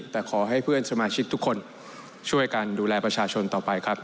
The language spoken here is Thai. แต่ขอให้เพื่อนสมาชิกทุกคนช่วยกันดูแลประชาชนต่อไปครับ